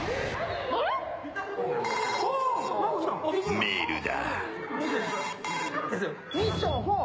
メールだ。